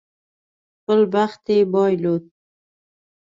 خپل بخت یې بایلود.